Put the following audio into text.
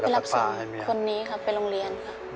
ไปรับศึกคนนี้ครับไปโรงเรียนครับ